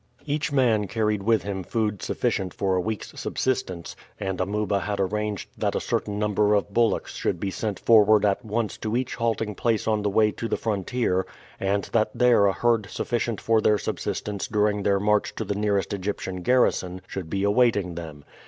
Each man carried with him food sufficient for a week's subsistence, and Amuba had arranged that a certain number of bullocks should be sent forward at once to each halting place on the way to the frontier, and that there a herd sufficient for their subsistence during their march to the nearest Egyptian garrison should be awaiting them.